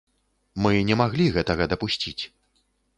Мы не маглі гэтага дапусціць.